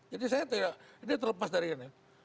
jadi saya tidak ini terlepas dari ini